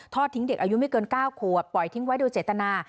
ทิ้งเด็กอายุไม่เกิน๙ขวบปล่อยทิ้งไว้โดยเจตนา